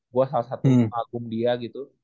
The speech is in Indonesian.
gue salah satu album dia gitu